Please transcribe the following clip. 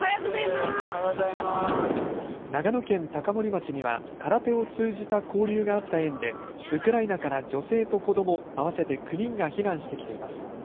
町には空手を通じた交流があった縁でウクライナから女性と子ども合わせて９人が避難してきています。